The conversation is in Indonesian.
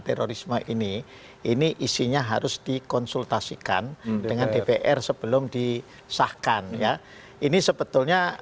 terorisme ini ini isinya harus dikonsultasikan dengan dpr sebelum disahkan ya ini sebetulnya